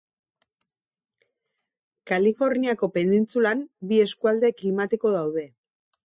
Kaliforniako penintsulan bi eskualde klimatiko daude.